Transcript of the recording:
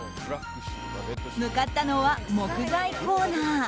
向かったのは木材コーナー。